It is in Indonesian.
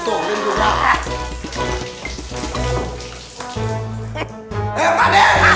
orang boleh betulin dulu